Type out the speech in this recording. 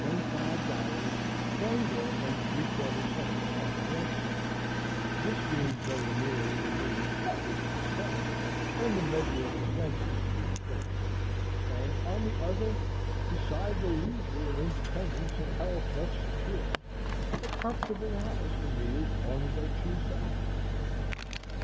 21¾ on the one side,—this being very nearly the means with which I started, and the measure of expenses to be incurred,—and on the other, beside the leisure and independence and health thus secured, a comfortable house for me as long as I choose to occupy it.